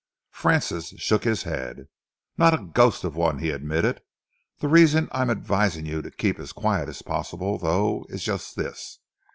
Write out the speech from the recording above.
Francis shook his head. "Not the ghost of one," he admitted. "The reason I am advising you to keep as quiet as possible, though, is just this.